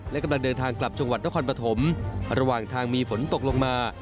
และกำลังเดินทางกลับจังหวัดนครปฐมระหว่างทางมีฝนตกลงมา